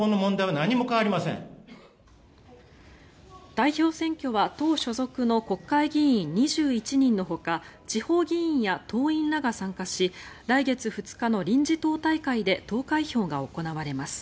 代表選挙は党所属の国会議員２１人のほか地方議員や党員らが参加し来月２日の臨時党大会で投開票が行われます。